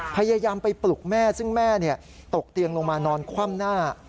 พยายามไปปลุกแม่ซึ่งแม่ตกเตียงลงมานอนคว่ำหน้า